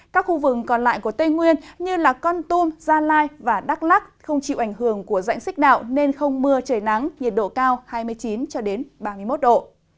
các khu vực còn lại của tây nguyên như con tum gia lai và đắk lắc không chịu ảnh hưởng của dãnh xích đạo nên không mưa trời nắng nhiệt độ cao hai mươi chín ba mươi một độ